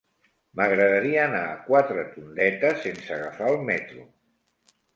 M'agradaria anar a Quatretondeta sense agafar el metro.